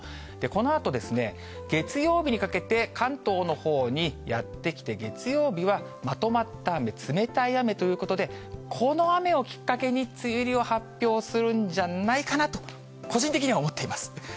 このあと月曜日にかけて関東のほうにやって来て、月曜日はまとまった雨、冷たい雨ということで、この雨をきっかけに、梅雨入りを発表するんじゃないかなと、個人的には思っています。